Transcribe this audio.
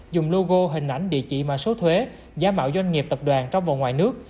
dùng logo hình ảnh địa chỉ mà số thuế giá mạo doanh nghiệp tập đoàn trong và ngoài nước